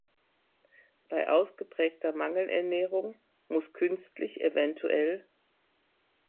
Bei ausgeprägter Mangelernährung muss künstlich, evtl.